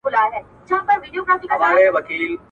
که له تېرو پند واخلې نو بریالی یې.